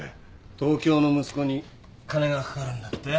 東京の息子に金がかかるんだって？